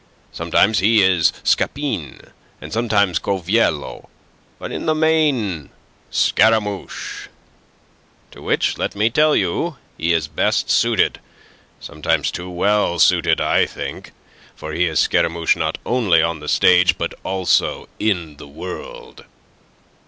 Sometimes he is Scapin and sometimes Coviello, but in the main Scaramouche, to which let me tell you he is best suited sometimes too well suited, I think. For he is Scaramouche not only on the stage, but also in the world.